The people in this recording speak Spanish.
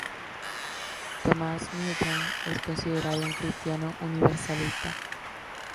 Thomas Newton es considerado un cristiano universalista.